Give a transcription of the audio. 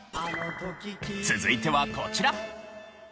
続いてはこちら。